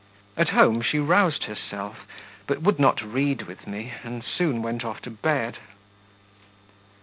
At home she roused herself, but would not read with me, and soon went off to bed.